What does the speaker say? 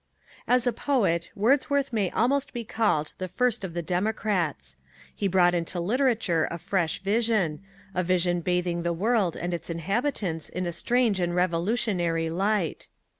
As a poet, Wordsworth may almost be called the first of the democrats. He brought into literature a fresh vision a vision bathing the world and its inhabitants in a strange and revolutionary light.